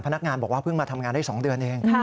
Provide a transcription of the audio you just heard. พนักงานบอกว่าเพิ่งมาทำงานได้๒เดือนเอง